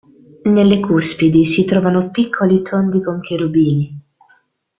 Nelle cuspidi si trovano piccoli tondi con cherubini.